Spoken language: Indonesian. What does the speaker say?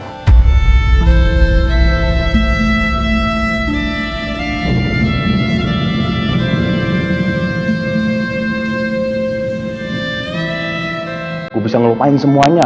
gue bisa ngelupain semuanya